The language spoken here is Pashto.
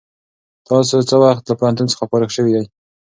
تاسو څه وخت له پوهنتون څخه فارغ شوئ؟